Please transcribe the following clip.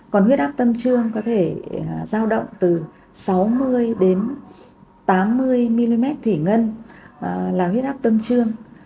còn huyết áp tâm trương có thể giao động từ sáu mươi đến tám mươi mm thủy ngân là huyết áp tâm trương